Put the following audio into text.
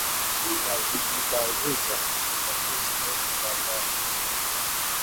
wakijipanguza machozi kwa kitambaa